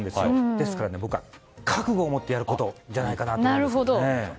ですから僕は覚悟を持ってやることじゃないかなと思います。